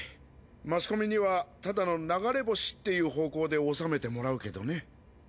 マスコミにはただの流れ星っていう方向で収めてもらうけどね。